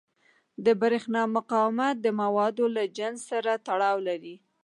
د برېښنا مقاومت د موادو له جنس سره تړاو لري.